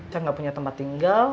saya nggak punya tempat tinggal